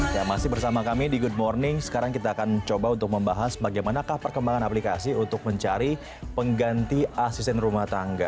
ya masih bersama kami di good morning sekarang kita akan coba untuk membahas bagaimanakah perkembangan aplikasi untuk mencari pengganti asisten rumah tangga